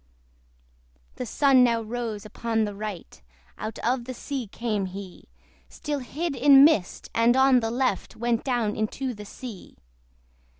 The Sun now rose upon the right: Out of the sea came he, Still hid in mist, and on the left Went down into the sea.